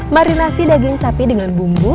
marinasi daging sapi dengan bumbu